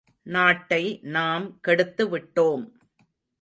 நாட்டை நாம் கெடுத்துவிட்டோம்!